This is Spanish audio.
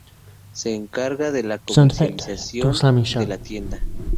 Se encarga de la comercialización de la tienda.